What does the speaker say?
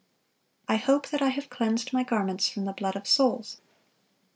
"I hope that I have cleansed my garments from the blood of souls.